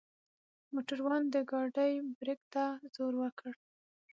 موټروان د ګاډۍ برک ته زور وکړ.